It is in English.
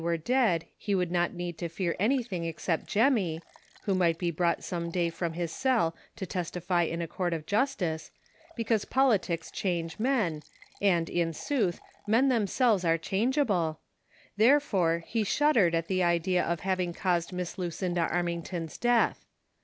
125 were dead, he would not need to fear anything except Jemmy, who might be brought some day from his cell to testify in a court of justice ; because politics change men, and, in sooth, men themselves are cliangeable ; therefore, he shuddered at the idea of having caused Miss Luciuda Armington's death